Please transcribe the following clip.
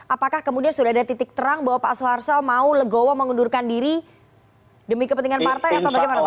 apakah kemudian sudah ada titik terang bahwa pak soeharto mau legowo mengundurkan diri demi kepentingan partai atau bagaimana pak